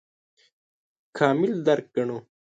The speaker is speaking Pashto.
کامل درک ګڼو.